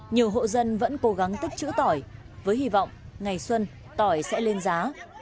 nhiều hộ dân vẫn cố gắng tích chữ tỏi với hy vọng ngày xuân tỏi sẽ lên giá